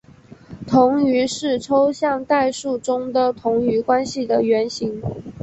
同余是抽象代数中的同余关系的原型。